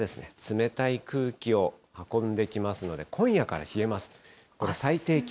この風が冷たい空気を運んできますので、今夜から冷えます。